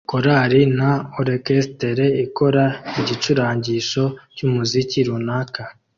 Korali na orchestre ikora igicurangisho cyumuziki runaka